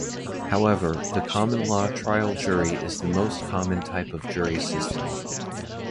However, the common law trial jury is the most common type of jury system.